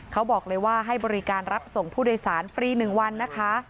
เขาบอกเลยว่าให้บริการรับส่งผู้โดยสารฟรี๑วันนะคะ